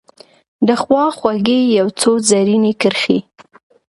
دخوا خوګۍ یو څو رزیني کرښې